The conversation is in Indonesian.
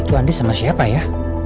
itu andi sama siapa ya